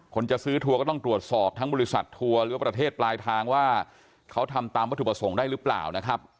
จะซื้อทัวร์ก็ต้องตรวจสอบทั้งบริษัททัวร์หรือว่าประเทศปลายทางว่าเขาทำตามวัตถุประสงค์ได้หรือเปล่านะครับ